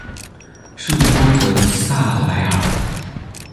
圣波德萨莱尔。